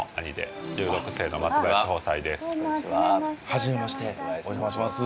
初めましてお邪魔いたします。